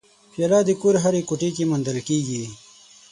پیاله د کور هرې کوټې کې موندل کېږي.